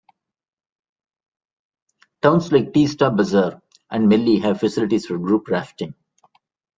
Towns like Teesta Bazaar and Melli have facilities for group rafting.